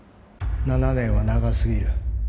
７年は長すぎる。